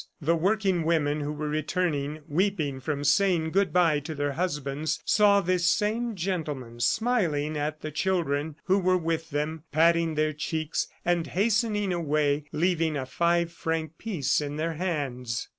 The working women who were returning weeping from saying good bye to their husbands saw this same gentleman smiling at the children who were with them, patting their cheeks and hastening away, leaving a five franc piece in their hands.